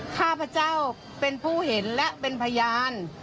ข้าพเจ้าเป็นผู้เห็นและเป็นพยาน